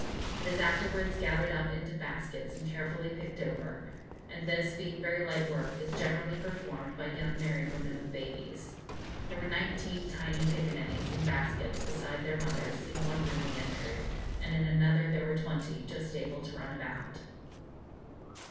It is afterwards gathered up into baskets and carefully picked over, and this, being very light work, is generally performed by young married women with babies. There were nineteen tiny piccaninnies, in baskets, beside their mothers, in one room we entered, and in another there were twenty just able to run about.